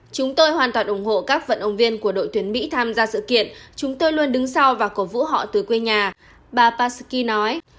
chúng tôi hoàn toàn ủng hộ các vận động viên của đội tuyển mỹ tham gia sự kiện chúng tôi luôn đứng sau và cổ vũ họ từ quê nhà bà pashki nói